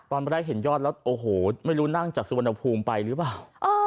ตอนแรกเห็นยอดแล้วโอ้โหไม่รู้นั่งจากสุวรรณภูมิไปหรือเปล่า